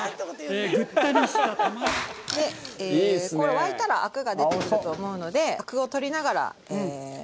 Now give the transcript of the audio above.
沸いたらアクが出てくると思うのでアクを取りながら。